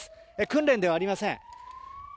訓練ではありません。